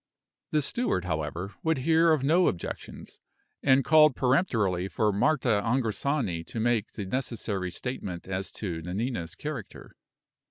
The steward, however, would hear of no objections, and called peremptorily for Marta Angrisani to make the necessary statement as to Nanina's character.